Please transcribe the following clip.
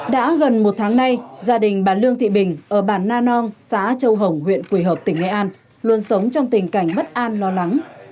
đã gần một tháng nay gia đình bà lương thị bình ở bản na non xã châu hồng huyện quỳ hợp tỉnh nghệ an luôn sống trong tình cảnh bất an lo lắng